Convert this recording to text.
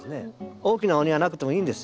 大きなお庭なくてもいいんです。